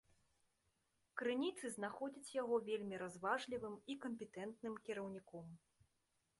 Крыніцы знаходзяць яго вельмі разважлівым і кампетэнтным кіраўніком.